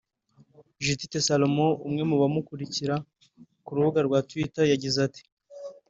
Judith Salomon umwe mu bamukurikira ku rubuga rwa Twitter yagize ati